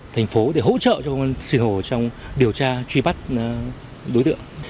tần hò yêu đã bị phát hiện bắt giữ